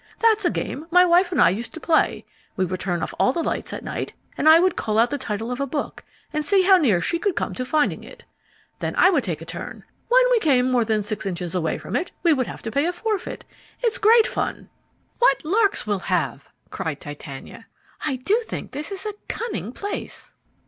That's a game my wife and I used to play. We would turn off all the lights at night, and I would call out the title of a book and see how near she could come to finding it. Then I would take a turn. When we came more than six inches away from it we would have to pay a forfeit. It's great fun." "What larks we'll have," cried Titania. "I do think this is a cunning place!"